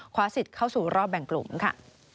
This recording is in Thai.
สิทธิ์เข้าสู่รอบแบ่งกลุ่มค่ะ